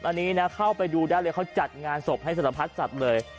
อันนี้นะเข้าไปดูได้เลยเขาจัดงานศพให้สารพัดสัตว์เลย